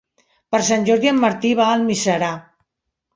Per Sant Jordi en Martí va a Almiserà.